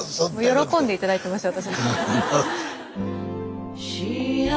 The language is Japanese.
喜んで頂いてました私。